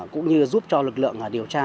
cũng như giúp cho lực lượng điều tra